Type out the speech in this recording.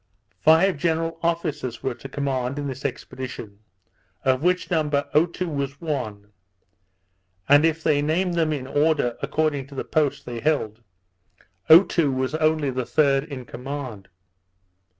Five general officers were to command in this expedition; of which number Otoo was one; and if they named them in order according to the posts they held, Otoo was only the third in command.